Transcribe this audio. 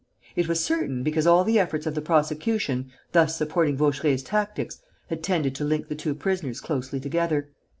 It was certain because all the efforts of the prosecution, thus supporting Vaucheray's tactics, had tended to link the two prisoners closely together.